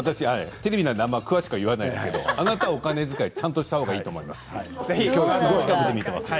テレビなのであまり詳しく言わないんですがあなたお金遣いちゃんとしたほうがいいと思います。